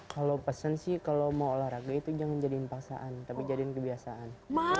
kalau pesen sih kalau mau olahraga itu jangan jadiin paksaan tapi jadiin kebiasaan